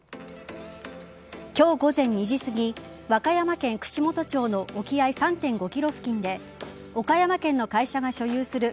今日午前２時すぎ和歌山県串本町の沖合３．５ｋｍ付近で岡山県の会社が所有する